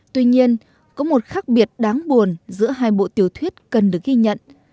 tuy nhiên có một khác biệt đáng buồn giữa hai bộ tiểu thuyết cần được ghi nhận